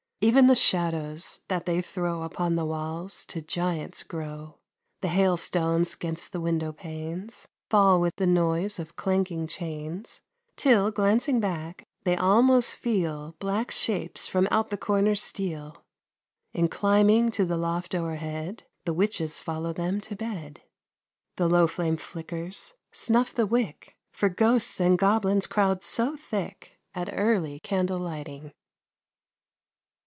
Even the shadows, that they throw Upon the walls, to giants grow. The hailstones 'gainst the window panes Fall with the noise of clanking chains, Till, glancing back, they almost feel Black shapes from out the corners steal, And, climbing to the loft o'erhead, The witches follow them to bed. The low flame flickers. Snuff the wick! For ghosts and goblins crowd so thick At early candle lighting.